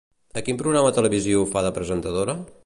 A quin programa televisiu fa de presentadora?